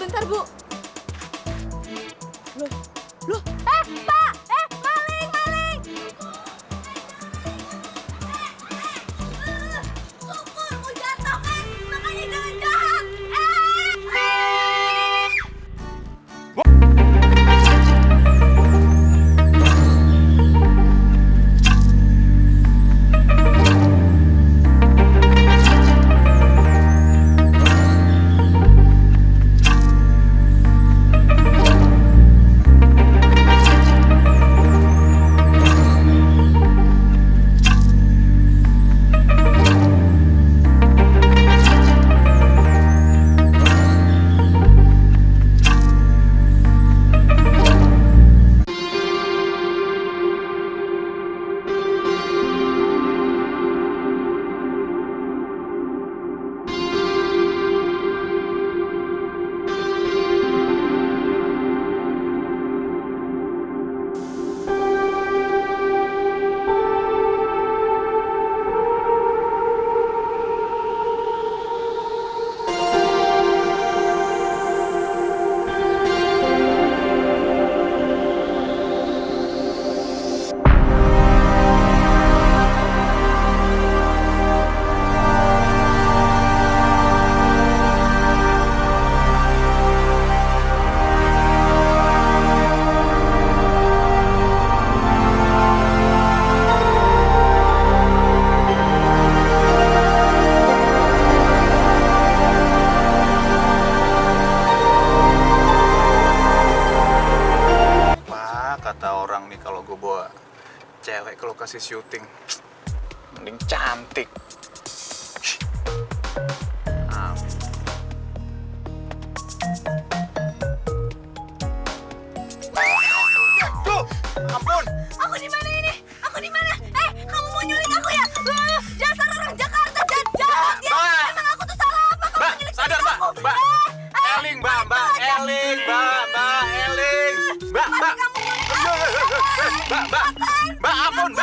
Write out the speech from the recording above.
saya ambil uang bentar bu